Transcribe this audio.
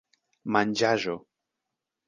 manĝaĵo